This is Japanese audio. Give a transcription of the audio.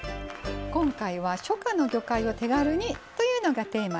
今回は「初夏の魚介を手軽に」というのがテーマです。